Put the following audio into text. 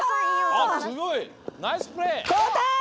あっすごい！ナイスプレー！